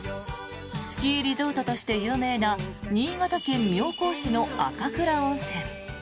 スキーリゾートとして有名な新潟県妙高市の赤倉温泉。